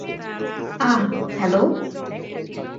আহ, hello?